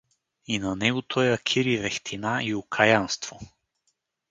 И на него тоя кир и вехтина, и окаянство!